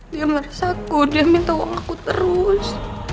dia merasa aku dia minta uang aku terus